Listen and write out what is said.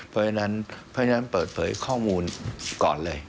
เพราะฉะนั้นเปิดเผยข้อมูลก่อนเลย